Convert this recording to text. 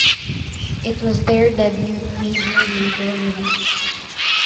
It was their debut major label release.